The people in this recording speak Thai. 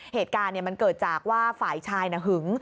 เหตุการณ์มันเกิดจากว่าฝ่ายชายหึง